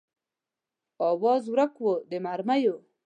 آواز ورک و د مرمیو